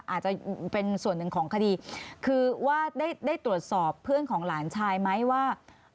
อาจจะเป็นส่วนหนึ่งของคดีคือว่าได้ตรวจสอบเพื่อนของหลานชายไหมว่า